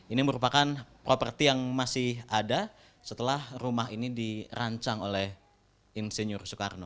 ini merupakan properti yang masih ada setelah rumah ini dirancang oleh insinyur soekarno